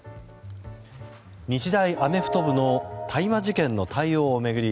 日大アメフト部の大麻事件の対応を巡り